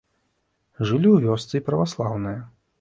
Жылі ў вёсцы і праваслаўныя.